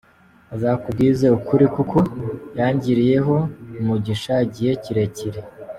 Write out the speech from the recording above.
Azakubwize ukuri kuko yangiriye ho umugisha igihe kirekire.